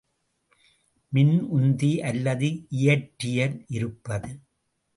மின்உந்தி அல்லது இயற்றியில் இருப்பது.